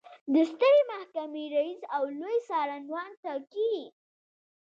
د سترې محکمې رئیس او لوی څارنوال ټاکي.